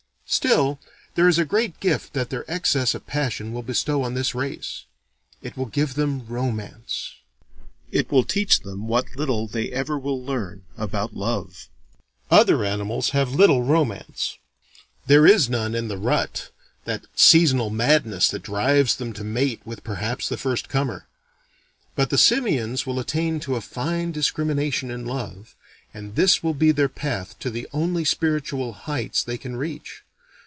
Still, there is a great gift that their excess of passion will bestow on this race: it will give them romance. It will teach them what little they ever will learn about love. Other animals have little romance: there is none in the rut: that seasonal madness that drives them to mate with perhaps the first comer. But the simians will attain to a fine descrimination in love, and this will be their path to the only spiritual heights they can reach.